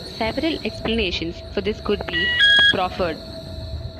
Several explanations for this could be proffered.